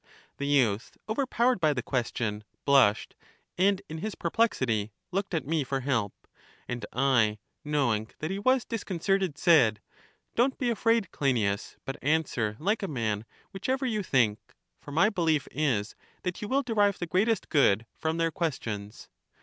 The youth, overpowered by the question, blushed, 1 EUTHYDEMUS 227 and in his perplexity looked at me for help; and I, knowing that he was disconcerted, said: Don't be afraid, Cleinias, but answer like a man whichever you think ; for my belief is that you will derive the great est good from their questions.